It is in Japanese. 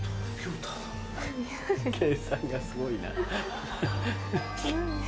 計算がすごいな。